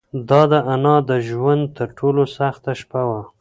دا د انا د ژوند تر ټولو سخته شپه وه.